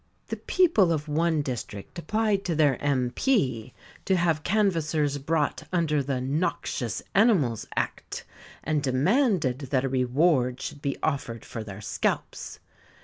The people of one district applied to their M.P. to have canvassers brought under the "Noxious Animals Act", and demanded that a reward should be offered for their scalps.